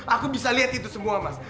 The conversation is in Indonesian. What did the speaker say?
aku bisa lihat itu semua mas